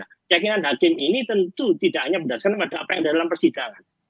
keyakinan hakim ini tentu tidak hanya berdasarkan pada apa yang ada dalam persidangan